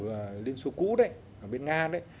và liên xô cũ đấy ở bên nga đấy